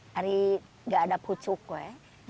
hari gak ada pucuk gue